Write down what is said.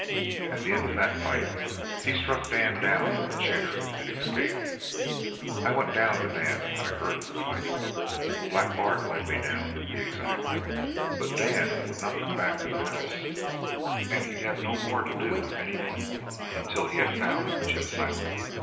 At the end of that fight he struck Dan down with a chair and escaped. I went down to Dan when I heard of the fight Black Bart led me down, to be exact but Dan would not come back to the house, and he'd have no more to do with anyone until he had found Jim Silent.